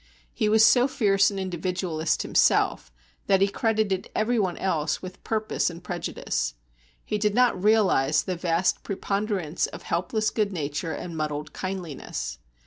He was so fierce an individualist himself that he credited everyone else with purpose and prejudice. He did not realise the vast preponderance of helpless good nature and muddled kindliness.